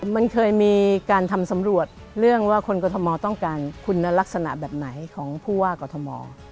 มันเคยมีการทำสำรวจเรื่องว่าคนกรทมต้องการคุณลักษณะแบบไหนของผู้ว่ากอทม